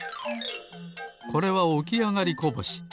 これはおきあがりこぼし。